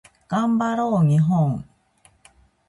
頑張ろう日本